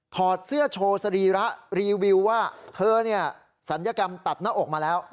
อดเสื้อโชว์สรีระรีวิวว่าเธอเนี่ยศัลยกรรมตัดหน้าอกมาแล้ว